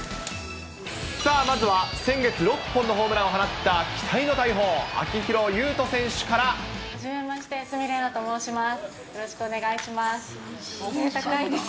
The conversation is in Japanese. さあまずは、先月、６本のホームランを放った期待の大砲、秋広優はじめまして、鷲見玲奈と申します。